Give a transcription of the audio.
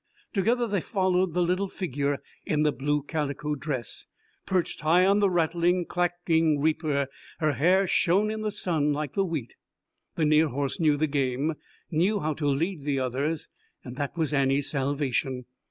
Together they followed the little figure in the blue calico dress, perched high on the rattling, clacking reaper. Her hair shone in the sun like the wheat. The near horse knew the game, knew how to lead the others. That was Annie's salvation.